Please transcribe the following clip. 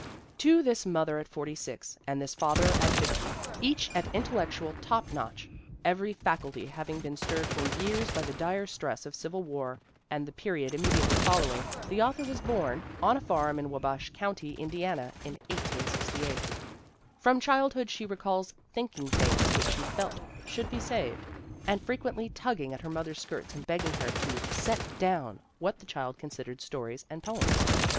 "To this mother at forty six, and this father at fifty, each at intellectual top notch, every faculty having been stirred for years by the dire stress of civil war, and the period immediately following, the author was born," on a farm in Wabash county, Indiana, in 1868. "From childhood she recalls 'thinking things which she felt should be saved/ and frequently tugging at her mother's skirts and begging her to 'set down' what the child considered stories and poems.